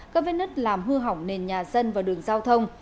các vết nứt làm hư hỏng nền nhà dân và đường giao thông